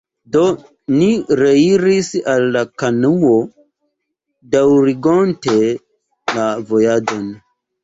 Do, ni reiris al la kanuo, daŭrigonte la vojaĝon.